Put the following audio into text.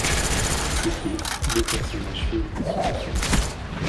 À ses pieds, deux personnages féminins se ressemblent.